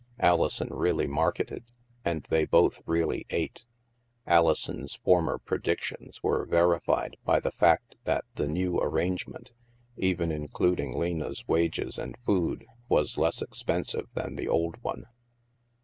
Alison really marketed, and they both really ate. Alison's former predictions were verified by the fact that the new arrangement, even including Lena's wages and food, was less expensive than the old one.